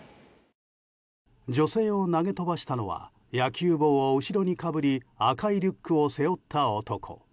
女性を投げ飛ばしたのは野球帽を後ろにかぶり赤いリュックを背負った男。